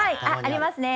ありますね。